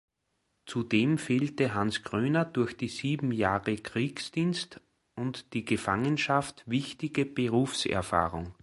Zudem fehlte Hans Kröner durch die sieben Jahre Kriegsdienst und die Gefangenschaft wichtige Berufserfahrung.